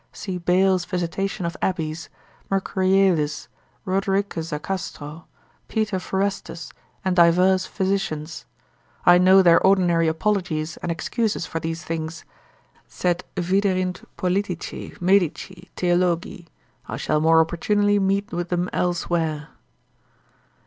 See Bale's visitation of abbeys, Mercurialis, Rodericus a Castro, Peter Forestus, and divers physicians; I know their ordinary apologies and excuses for these things, sed viderint Politici, Medici, Theologi, I shall more opportunely meet with them elsewhere.